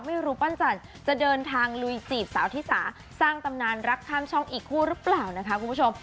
รูปปั้นจันทร์จะเดินทางลุยจีบสาวที่สาสร้างตำนานรักข้ามช่องอีกคู่หรือเปล่านะคะคุณผู้ชม